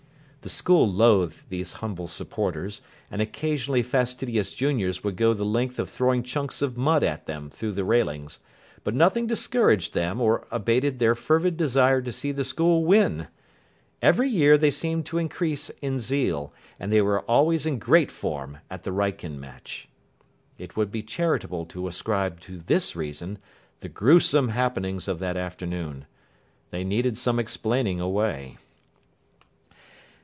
The school loathed these humble supporters, and occasionally fastidious juniors would go the length of throwing chunks of mud at them through the railings. But nothing discouraged them or abated their fervid desire to see the school win. Every year they seemed to increase in zeal, and they were always in great form at the Wrykyn match. It would be charitable to ascribe to this reason the gruesome happenings of that afternoon. They needed some explaining away.